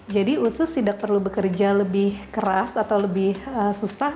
jadi usus tidak perlu bekerja lebih keras atau lebih susah